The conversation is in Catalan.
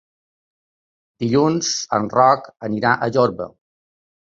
Dilluns en Roc anirà a Jorba.